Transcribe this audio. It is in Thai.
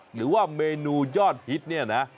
หรือว่าเมนูยอดฮิตเนี่ยนะ